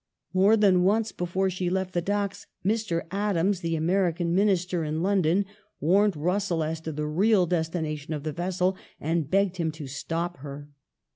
More than once before she left the docks, Mr. Adams, the American Minister in London, warned Russell as to the real destination of the vessel, and begged him to stop her.